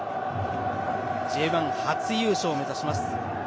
Ｊ１初優勝を目指します。